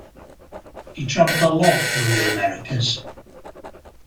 He travelled a lot through the Americas.